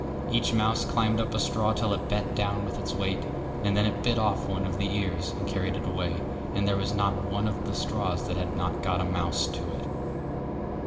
Each mouse climbed up a straw till it bent down with its weight, and then it bit off one of the ears, and carried it away, and there was not one of the straws that had not got a mouse to it.